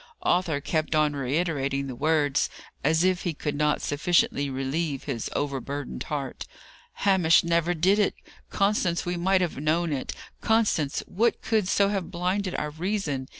Arthur kept on reiterating the words, as if he could not sufficiently relieve his overburdened heart. "Hamish never did it! Constance, we might have known it. Constance, what could so have blinded our reason?